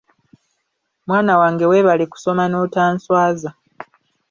Mwana wange weebale kusoma n'otanswaza.